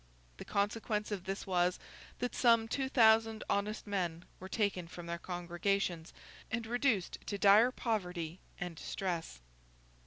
The consequence of this was that some two thousand honest men were taken from their congregations, and reduced to dire poverty and distress.